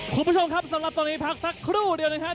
คุณผู้ชมครับสำหรับตอนนี้พักสักครู่เดียวนะครับ